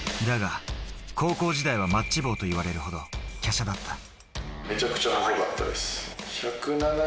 だが高校時代はマッチ棒と言われるほど華奢だった。